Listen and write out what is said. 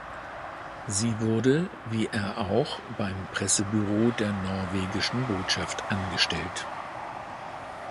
Sie wurde, wie er auch, beim Pressebüro der norwegischen Botschaft angestellt.